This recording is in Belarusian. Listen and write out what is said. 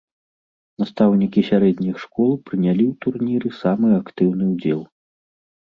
Настаўнікі сярэдніх школ прынялі ў турніры самы актыўны ўдзел.